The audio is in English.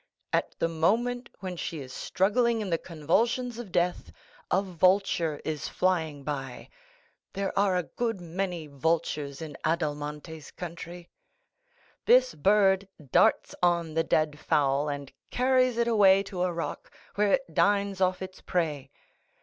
At the moment when she is struggling in the convulsions of death, a vulture is flying by (there are a good many vultures in Adelmonte's country); this bird darts on the dead fowl, and carries it away to a rock, where it dines off its prey.